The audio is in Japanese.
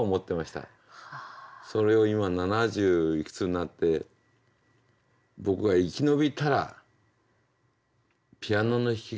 それを今７０いくつになって僕が生き延びたらピアノの弾き語りで歌いたいなと。